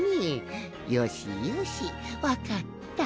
よしよしわかった。